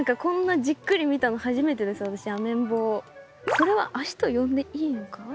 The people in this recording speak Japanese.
これは脚と呼んでいいのか？